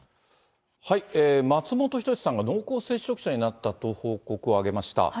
松本人志さんが濃厚接触者になったと報告を上げました。